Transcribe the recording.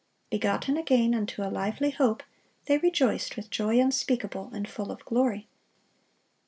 "Begotten again unto a lively hope," they rejoiced "with joy unspeakable and full of glory."